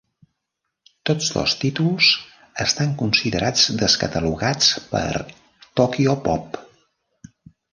Tots dos títols estan considerats "descatalogats" per Tokyopop.